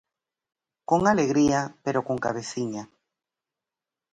Con alegría pero con cabeciña.